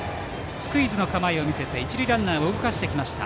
スクイズの構えを見せて一塁ランナーを動かしてきました。